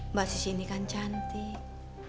mbak sisi ini kan cantik